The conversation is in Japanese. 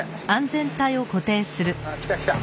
ああ来た来た。